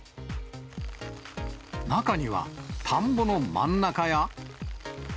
中には、田んぼの真ん中や。